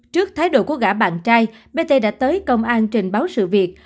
trước thái độ của gã bạn trai bé t đã tới công an trình báo sự việc